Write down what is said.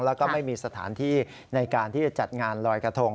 แล้วก็ไม่มีสถานที่ในการที่จะจัดงานลอยกระทง